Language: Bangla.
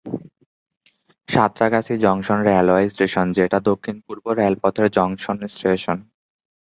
সাঁতরাগাছি জংশন রেলওয়ে স্টেশন যেটা দক্ষিণ পূর্ব রেলপথের জংশন স্টেশন।